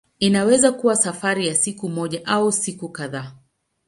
Inaweza kuwa safari ya siku moja au siku kadhaa.